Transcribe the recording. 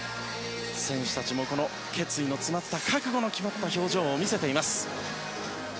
選手たちも決意の詰まった覚悟の詰まった表情を見せています。